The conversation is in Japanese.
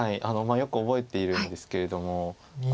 よく覚えているんですけれども。